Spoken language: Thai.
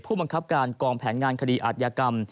ผู้บังคับการกองแผนงานคดีอาจยากรรม